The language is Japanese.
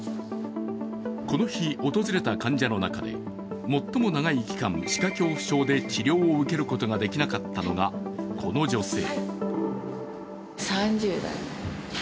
この日訪れた患者の中で最も長い期間、歯科恐怖症で治療を受けることができなかったのが、この女性。